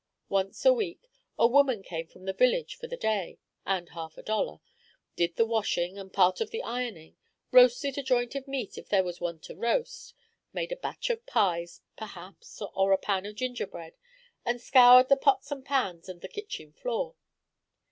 Once a week, a woman came from the village for the day (and half a dollar), did the washing and part of the ironing, roasted a joint of meat if there was one to roast, made a batch of pies, perhaps, or a pan of gingerbread, and scoured the pots and pans and the kitchen floor.